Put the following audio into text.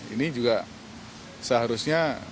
ini juga seharusnya